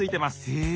へえ。